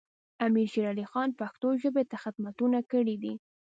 امیر شیر علی خان پښتو ژبې ته خدمتونه کړي دي.